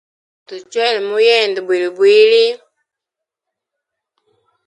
Tuchwele mu yende bwilibwli.